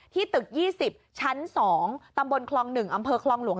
ตึก๒๐ชั้น๒ตำบลคลอง๑อำเภอคลองหลวง